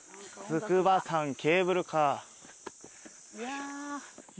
筑波山ケーブルカー。